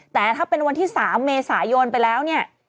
แต่ถ้าเป็นวันที่๓เมษายนไปแล้วเนี่ย